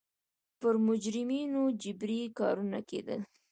پر مجرمینو جبري کارونه کېدل.